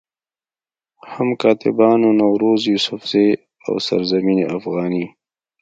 هم کاتبانو نوروز يوسفزئ، او سرزمين افغاني